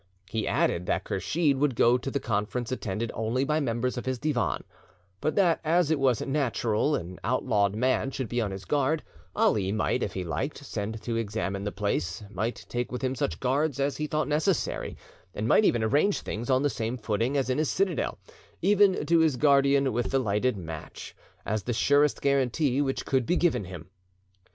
He added that Kursheed would go to the conference attended only by members of his Divan, but that as it was natural an outlawed man should be on his guard, Ali might, if he liked, send to examine the place, might take with him such guards as he thought necessary, and might even arrange things on the same footing as in his citadel, even to his guardian with the lighted match, as the surest guarantee which could be given him.